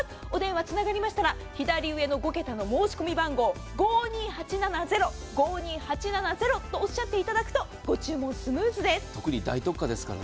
お電話、つながりましたら左上５桁の申し込み番号、５２８７０とおっしゃっていただけるとご注文がスムーズです。